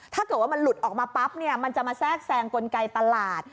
ถ้าเกิดว่ามันหลุดออกมาปั๊บเนี่ยมันจะมาแทรกแซงกลไกตลาด